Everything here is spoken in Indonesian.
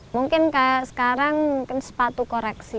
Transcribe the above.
mungkin sekarang sepatu koreksi